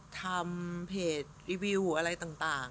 ทำเพจรีวิวอะไรต่าง